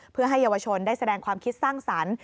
เพื่อให้เยาวชนได้แสดงความคิดสร้างสรรค์